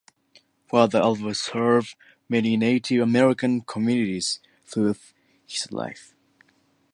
Father Albert served many Native American communities throughout his life.